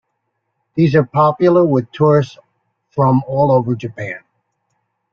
These are popular with tourists from all over Japan.